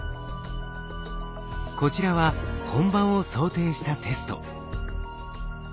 こちらは本番を想定したテスト。